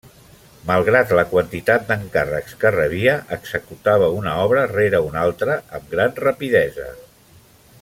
Malgrat la quantitat d'encàrrecs que rebia, executava una obra rere una altra amb gran rapidesa.